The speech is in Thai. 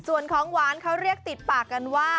ส่วนของหวานเขาเรียกติดปากกันว่า